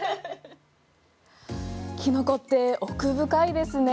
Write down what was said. キノコって奥深いですね。